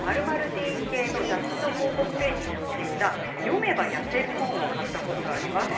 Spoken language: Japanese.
○ティーン系の雑誌の広告ページに載っていた読めば痩せる本を買ったことがあります。